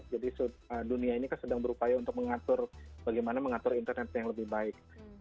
jadi dunia ini kan sedang berupaya untuk mengatur bagaimana mengatur internet yang lebih baik